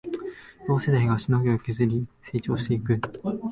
同世代がしのぎを削り成長していく